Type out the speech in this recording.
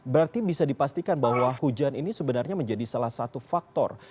berarti bisa dipastikan bahwa hujan ini sebenarnya menjadi salah satu faktor